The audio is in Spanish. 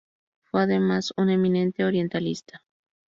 Fue además un eminente orientalista.